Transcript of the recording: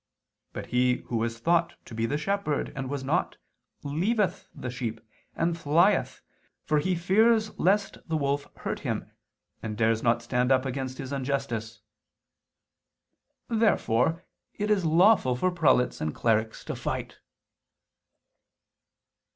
But he who was thought to be the shepherd, and was not, leaveth the sheep, and flieth, for he fears lest the wolf hurt him, and dares not stand up against his injustice." Therefore it is lawful for prelates and clerics to fight.